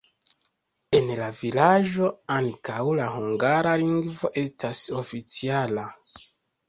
En la vilaĝo ankaŭ la hungara lingvo estas oficiala.